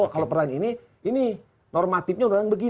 kalau pertanyaan ini ini normatifnya orang begini